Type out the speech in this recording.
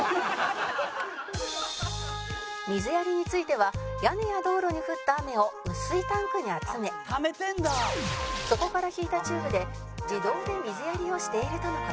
水やりについては屋根や道路に降った雨を雨水タンクに集めそこから引いたチューブで自動で水やりをしているとの事